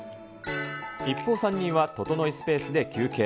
一方、３人はととのいスペースで休憩。